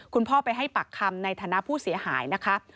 คุณพ่อไปให้ปากคำในฐานะผู้เสียหายนะคะ